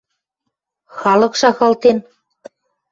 — Халык шагалтен.